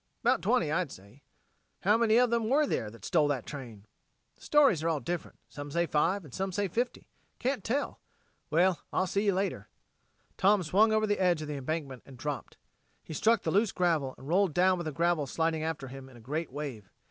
"'Bout twenty, I'd say." "How many of them were there that stole the train?" "The stories are all different. Some say five and some say fifty. Can't tell. Well, I'll see you later." Tom swung over the edge of the embankment and dropped. He struck the loose gravel and rolled down with the gravel sliding after him in a great wave.